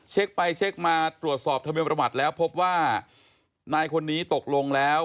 เช็คไปเช็คมาตรวจสอบทะเบียนประวัติแล้วพบว่านายคนนี้ตกลงแล้ว